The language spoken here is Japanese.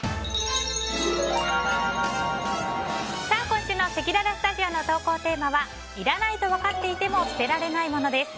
今週のせきららスタジオの投稿テーマはいらないと分かっていても捨てられない物です。